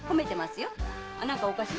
何かおかしい？